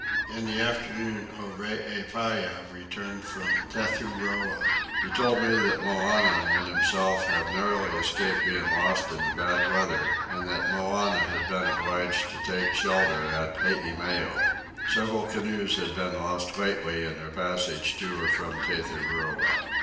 In the afternoon Oreepyah returned from Tethuroa. He told me that Moannah and himself had narrowly escaped being lost in the bad weather and that Moannah had been obliged to take shelter at Eimeo. Several canoes had been lost lately in their passage to or from Tethuroa.